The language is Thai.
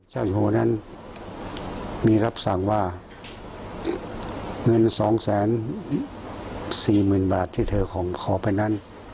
เจ้าหน้านั้นมีรับสั่งว่า